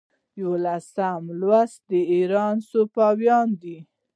یوولسم لوست د ایران صفویان دي.